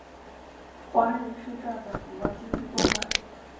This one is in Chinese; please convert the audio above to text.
华人是这的主要经济动脉。